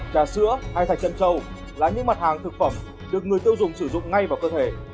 trà sữa hay thạch chân là những mặt hàng thực phẩm được người tiêu dùng sử dụng ngay vào cơ thể